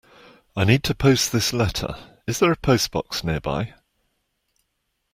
I need to post this letter. Is there a postbox nearby?